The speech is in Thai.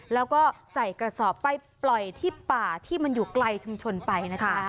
แล้วก็ใส่กระสอบไปปล่อยที่ป่าที่มันอยู่ไกลชุมชนไปนะจ๊ะ